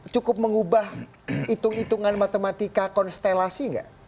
cukup mengubah hitung hitungan matematika konstelasi nggak